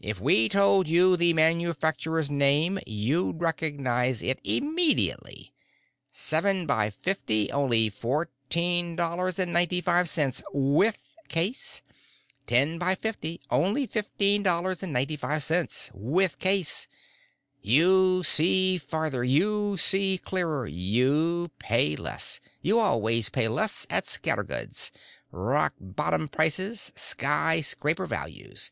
"If we told you the manufacturer's name, you'd recognize it immediately. 7 x 50, only fourteen dollars and ninety five cents, with case. 10 x 50, only fifteen dollars and ninety five cents, with case. You see further, you see clearer, you pay less. You always pay less at Scattergood's. Rock bottom prices! Skyscraper values!